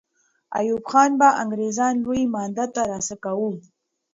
ایوب خان به انګریزان لوی مانده ته را سوه کاوه.